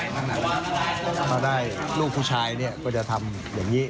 ทั้งนั้นถ้าได้ลูกสุนชายจะทำอย่างนี้